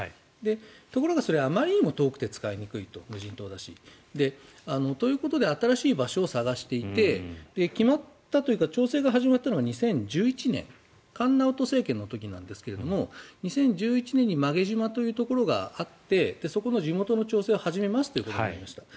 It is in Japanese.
ところがあまりに遠くて使いづらい無人島だし。ということで新しい場所を探していて決まったというか調整が始まったのが２０１１年菅直人政権の時なんですが２０１１年に馬毛島というところがあってそこと地元の調整を始めますということになりました。